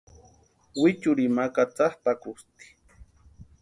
Wichurini ma katsatʼakusti.